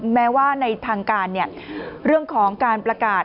แม้ว่าในทางการเรื่องของการประกาศ